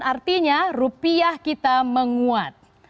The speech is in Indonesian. artinya rupiah kita menguat